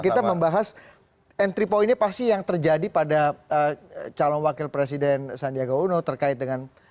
kita membahas entry pointnya pasti yang terjadi pada calon wakil presiden sandiaga uno terkait dengan